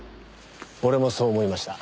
俺もそう思いました。